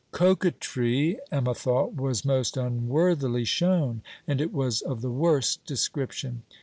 Coquettry, Emma thought, was most unworthily shown; and it was of the worst description.